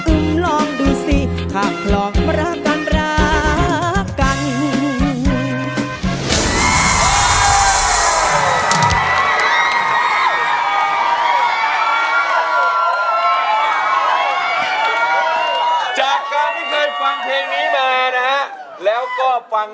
ลองดูสิถ้าคลองรักกันรักกัน